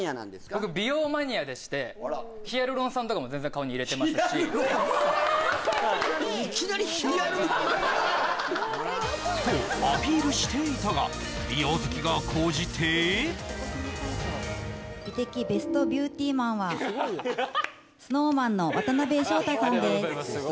僕美容マニアでしてヒアルロン酸とアピールしていたが美容好きが高じて美的ベストビューティマンはＳｎｏｗＭａｎの渡辺翔太さんです